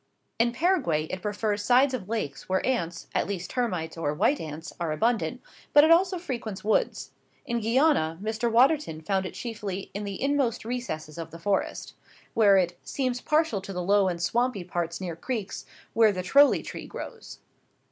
In Paraguay it prefers sides of lakes where ants, at least termites or white ants, are abundant; but it also frequents woods. In Guiana, Mr Waterton found it chiefly "in the inmost recesses of the forest," where it "seems partial to the low and swampy parts near creeks, where the troely tree grows."